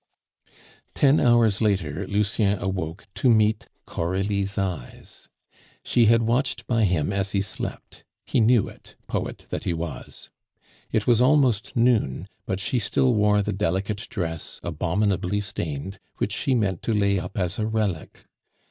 Ten hours later Lucien awoke to meet Coralie's eyes. She had watched by him as he slept; he knew it, poet that he was. It was almost noon, but she still wore the delicate dress, abominably stained, which she meant to lay up as a relic.